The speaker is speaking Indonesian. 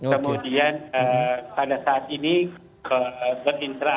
kemudian pada saat ini berinteraksi